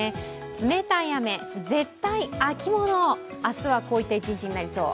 冷たい雨、絶対秋物、明日はこういった一日になりそう。